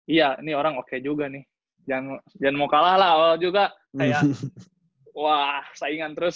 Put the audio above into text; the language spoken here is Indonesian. iya ini orang oke juga nih jangan mau kalah lah awal juga kayak wah saingan terus